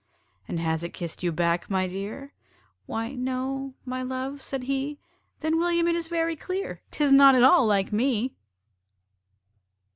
"And has it kissed you back, my dear?" "Why no my love," said he. "Then, William, it is very clear 'Tis not at all LIKE ME!"